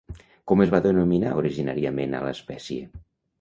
Com es va denominar originalment a l'espècie?